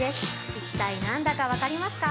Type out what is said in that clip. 一体何だか分かりますか。